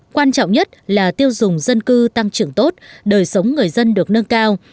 quan trọng nhất là tiêu dùng dân cư tăng trưởng tốt đời sống người dân được nâng cao